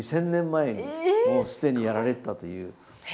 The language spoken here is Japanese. ２０００年前にもう既にやられてたという。